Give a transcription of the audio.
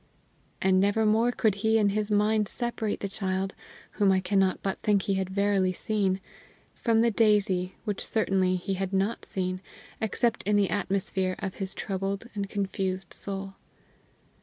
And never more could he in his mind separate the child, whom I cannot but think he had verily seen, from the daisy which certainly he had not seen, except in the atmosphere of his troubled and confused soul.